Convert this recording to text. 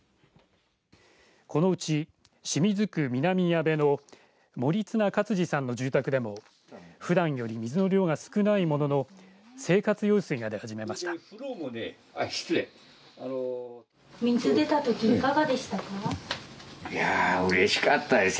このうち、清水区南矢部の森綱勝二さんの住宅でもふだんより水の量が少ないものの生活用水が出始めました。